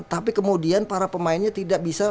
tapi kemudian para pemainnya tidak bisa